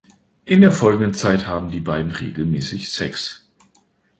In der folgenden Zeit haben die beiden regelmäßig Sex.